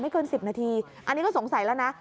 เกิน๑๐นาทีอันนี้ก็สงสัยแล้วนะ